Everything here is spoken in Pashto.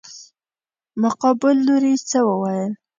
مقابل لوري څه وويل.